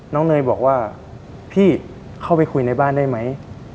เนยบอกว่าพี่เข้าไปคุยในบ้านได้ไหม